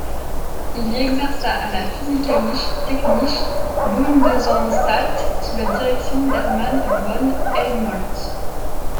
Il y exerça à la Physikalisch-Technische Bundesanstalt sous la direction d'Hermann von Helmholtz.